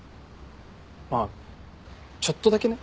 まあちょっとだけね。